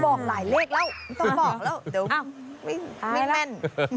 บอกหลายเลขแล้วไม่ต้องบอกแล้วเดี๋ยวไม่แม่น